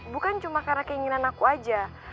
bukan cuma karena keinginan aku aja